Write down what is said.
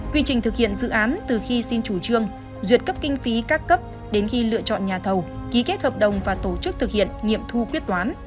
quy trình thực hiện dự án từ khi xin chủ trương duyệt cấp kinh phí các cấp đến khi lựa chọn nhà thầu ký kết hợp đồng và tổ chức thực hiện nghiệm thu quyết toán